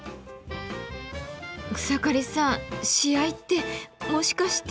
草刈さん試合ってもしかして。